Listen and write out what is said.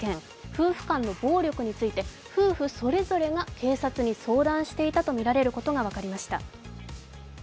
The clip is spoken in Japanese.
夫婦間の暴力について夫婦それぞれが警察に相談していたとみられることが分かりました。